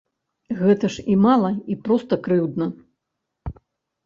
Гэта ж і мала, і проста крыўдна.